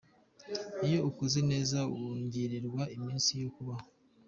Iyo ukoze neza wongererwa iminsi yo kubaho.